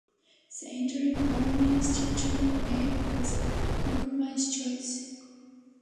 The interim War Minister General Abe was a compromise choice.